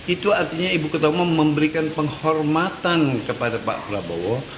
itu artinya ibu ketua umum memberikan penghormatan kepada pak prabowo